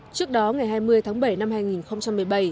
trước đó ngày hai mươi tháng bảy năm hai nghìn một mươi bảy